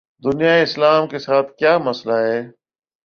دنیائے اسلام کے ساتھ کیا مسئلہ ہے؟